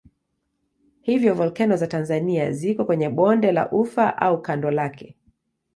Hivyo volkeno za Tanzania ziko kwenye bonde la Ufa au kando lake.